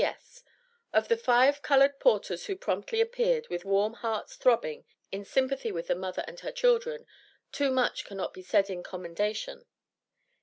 STILL. P.S. Of the five colored porters who promptly appeared, with warm hearts throbbing in sympathy with the mother and her children, too much cannot be said in commendation.